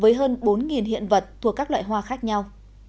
với hơn bốn hiện vật thuộc các loại hoa khác nhau